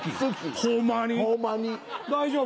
大丈夫？